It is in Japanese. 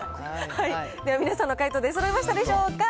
では皆さんの解答、出そろいましたでしょうか。